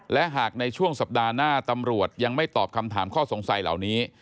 และหากในช่วงสัปดาห์หน้าตำรวจยังไม่ตอบคำถามข้อสงสัยเหล่านี้